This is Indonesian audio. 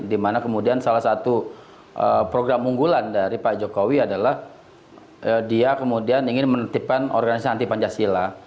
dimana kemudian salah satu program unggulan dari pak jokowi adalah dia kemudian ingin menertibkan organisasi anti pancasila